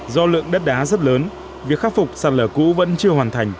do lượng đất đá rất lớn việc khắc phục sạt lở cũ vẫn chưa hoàn thành